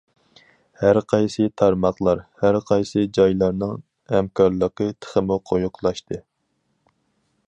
ھەرقايسى تارماقلار، ھەرقايسى جايلارنىڭ ھەمكارلىقى تېخىمۇ قويۇقلاشتى.